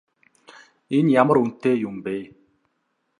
Энэ ямар үнэтэй юм бэ?